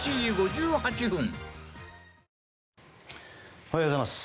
おはようございます。